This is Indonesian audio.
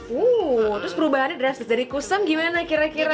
wuh terus perubahannya dari kusam gimana kira kira